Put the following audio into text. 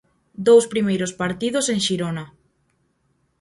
Dous primeiros partidos en Xirona.